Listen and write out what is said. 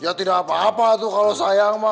ya tidak apa apa tuh kalau sayang mah